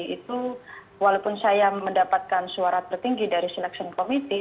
itu walaupun saya mendapatkan suara tertinggi dari selection committee